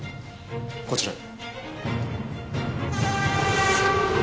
こちらへ。